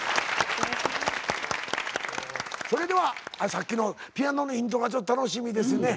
それではさっきのピアノのイントロがちょっと楽しみですね。